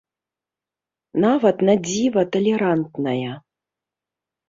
Нават на дзіва талерантная.